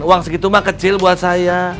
uang segitu mah kecil buat saya